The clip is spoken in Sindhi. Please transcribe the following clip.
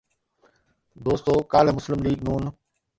دوستو ڪالهه مسلم ليگ ن